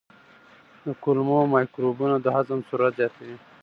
د کولمو مایکروبونه د هضم سرعت زیاتوي.